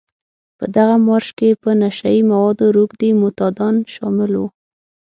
په دغه مارش کې په نشه يي موادو روږدي معتادان شامل وو.